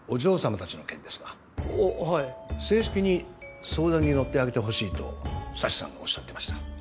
正式に相談に乗ってあげてほしいと佐知さんがおっしゃってました。